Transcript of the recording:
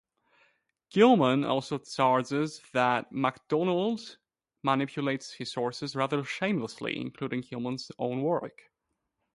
Gilman also charges that "MacDonald manipulates his sources rather shamelessly", including Gilman's own work.